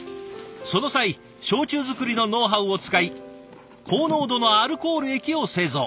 その際焼酎作りのノウハウを使い高濃度のアルコール液を製造。